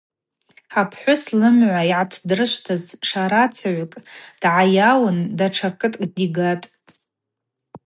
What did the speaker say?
Апхӏвыс лымгва йгӏатдрышвтыз шварацыгӏвкӏ дгӏайауын датша кыткӏ дигатӏ.